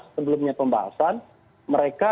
sebelumnya pembahasan mereka